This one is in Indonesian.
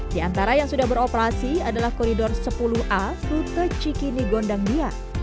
di antara yang sudah beroperasi adalah koridor sepuluh a rute cikini gondang bia